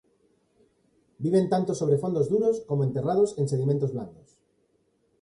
Viven tanto sobre fondos duros como enterrados en sedimentos blandos.